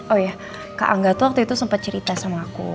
oh ya kak angga tuh waktu itu sempat cerita sama aku